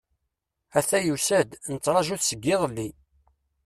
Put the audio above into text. Ata yusa-d, nettṛaǧu-t seg iḍelli.